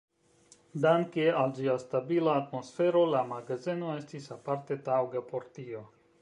Danke al ĝia stabila atmosfero, la magazeno estis aparte taŭga por tio.